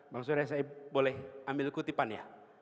bang surya saya boleh ambil kutipannya